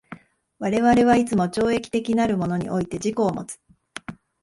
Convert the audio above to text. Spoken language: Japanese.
我々はいつも超越的なるものにおいて自己をもつ。